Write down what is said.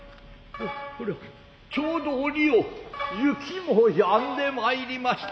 これはちょうど折よう雪もやんでまいりました。